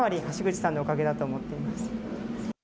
橋口さんのおかげだと思っています。